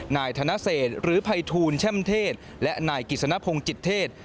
นายธนเศษหรือภัยทูลแช่มเทศและนายกิจสนพงศ์จิตเทศ